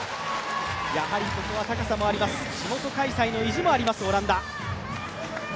やはりここは高さもあります、地元開催の意地もありますオランダ。